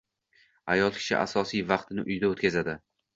Ayol kishi asosiy vaqtini uyda o‘tkazadi.